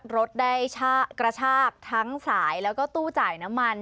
รถได้กระชากทั้งสายแล้วก็ตู้จ่ายน้ำมัน